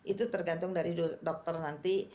itu tergantung dari dokter nanti